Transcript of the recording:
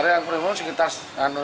karena yang premium sekitar sebelas lima